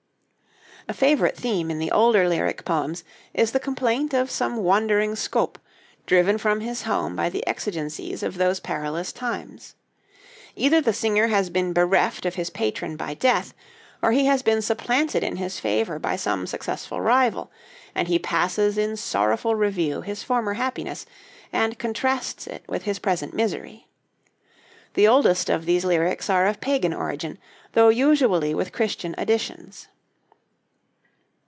A favorite theme in the older lyric poems is the complaint of some wandering scôp, driven from his home by the exigencies of those perilous times. Either the singer has been bereft of his patron by death, or he has been supplanted in his favor by some successful rival; and he passes in sorrowful review his former happiness, and contrasts it with his present misery. The oldest of these lyrics are of pagan origin, though usually with Christian additions.